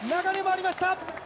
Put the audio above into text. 流れもありました。